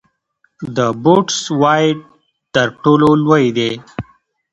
د بوټس وایډ تر ټولو لوی دی.